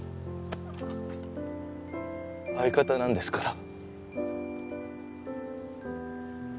相方なんですから。